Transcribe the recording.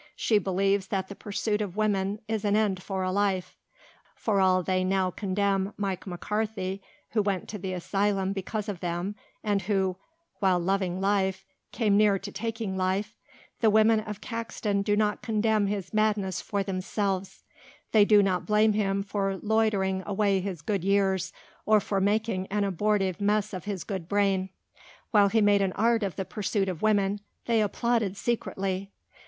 She believes that the pursuit of women is an end for a life. For all they now condemn Mike McCarthy who went to the asylum because of them and who, while loving life, came near to taking life, the women of Caxton do not condemn his madness for themselves; they do not blame him for loitering away his good years or for making an abortive mess of his good brain. While he made an art of the pursuit of women they applauded secretly.